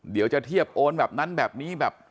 เดี๋ยวจะเทียบโอนแบบนั้นแบบนี้แบบ